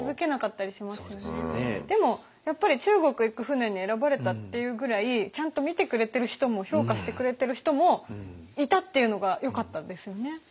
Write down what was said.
でもやっぱり中国行く船に選ばれたっていうぐらいちゃんと見てくれてる人も評価してくれてる人もいたっていうのがよかったですよね。